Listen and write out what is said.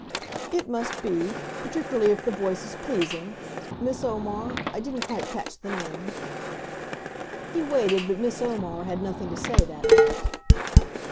"It must be. Particularly if the voice is pleasing. Miss Omar I didn't quite catch the name " He waited. But Miss Omar had nothing to say that minute.